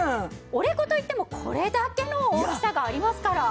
折れ子といってもこれだけの大きさがありますから。